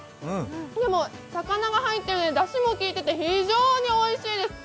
でも、魚が入ってるのでだしもきいてて、非常に美味しいです。